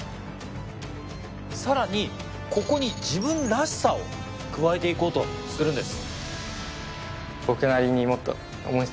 さらにここに自分らしさを加えていこうとするんです。